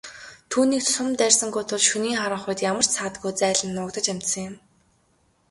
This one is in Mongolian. Түүнийг сум дайрсангүй тул шөнийн харанхуйд ямар ч саадгүй зайлан нуугдаж амжсан юм.